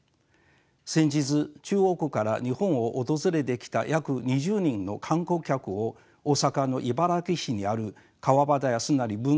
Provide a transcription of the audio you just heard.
先日中国から日本を訪れてきた約２０人の観光客を大阪の茨木市にある川端康成文学館にご案内いたしました。